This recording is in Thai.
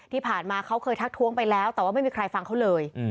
ที่ผ่านมาเขาเคยทักท้วงไปแล้วแต่ว่าไม่มีใครฟังเขาเลย